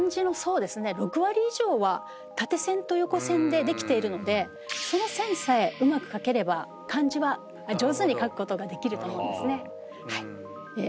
縦線と横線でできているのでその線さえうまく書ければ漢字は上手に書くことができると思うんですね。